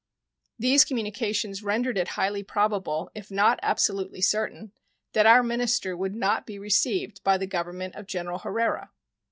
These communications rendered it highly probable, if not absolutely certain, that our minister would not be received by the Government of General Herrera.